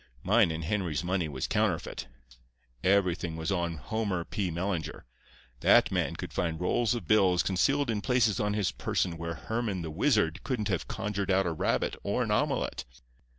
"Mine and Henry's money was counterfeit. Everything was on Homer P. Mellinger. That man could find rolls of bills concealed in places on his person where Hermann the Wizard couldn't have conjured out a rabbit or an omelette.